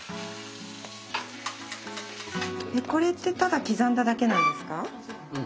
これってただ刻んだだけなんですか？